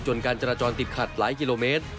การจราจรติดขัดหลายกิโลเมตร